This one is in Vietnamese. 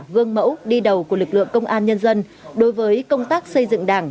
gương mẫu đi đầu của lực lượng công an nhân dân đối với công tác xây dựng đảng